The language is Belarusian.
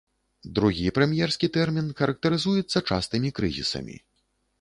Другі прэм'ерскі тэрмін характарызуецца частымі крызісамі.